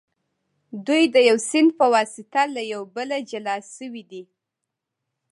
دوی د یو سیند په واسطه له یو بله جلا شوي دي.